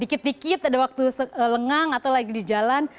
dikit dikit ada waktu lengang atau lagi di jalan